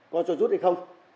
có cho rút hay không